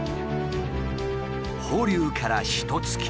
放流からひとつき。